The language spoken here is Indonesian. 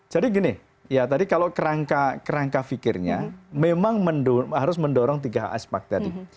jadi gini ya tadi kalau kerangka fikirnya memang harus mendorong tiga aspek tadi